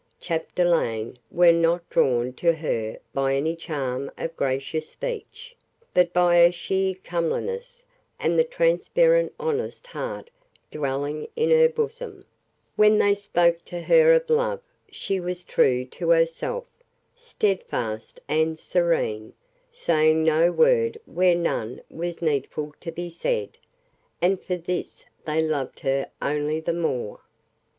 The three lovers of Maria Chapdelaine were not drawn to her by any charm of gracious speech, but by her sheer comeliness, and the transparent honest heart dwelling in her bosom; when they spoke to her of love she was true to herself, steadfast and serene, saying no word where none was needful to be said, and for this they loved her only the more.